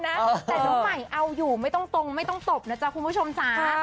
แต่น้องใหม่เอาอยู่ไม่ต้องตรงไม่ต้องตบนะจ๊ะคุณผู้ชมจ๋า